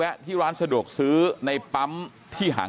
กลุ่มตัวเชียงใหม่